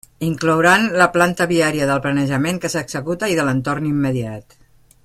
Inclouran la planta viària del planejament que s'executa i de l'entorn immediat.